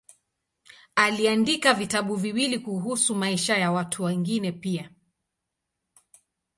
Aliandika vitabu viwili kuhusu maisha ya watu wengine pia.